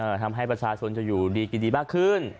ทำให้ประชาชนจะอยู่ดีกินดีมากขึ้น